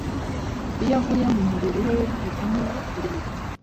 Iyo avuye mu mubiri we ahitamo kurimbuka